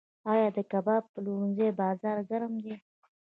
آیا د کباب پلورنځیو بازار ګرم دی؟